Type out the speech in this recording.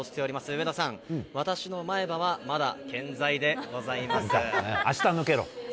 上田さん、私の前歯はまだ健在であした抜けろ。